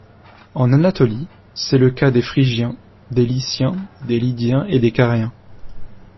En Anatolie, c'est le cas des Phrygiens, des Lyciens, des Lydiens et des Cariens.